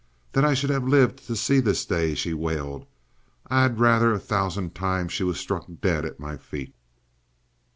"That I should have lived to see this day!" she wailed. "I had rather a thousand times she was struck dead at my feet."